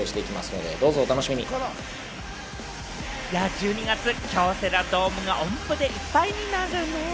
１２月、京セラドームが音符でいっぱいになるね！